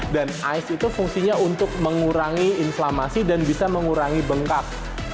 dan ice itu fungsinya untuk mengurangi inflamasi dan bisa mengurangi bengkak